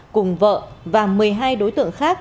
cùng vợ và một mươi hai đối tượng khác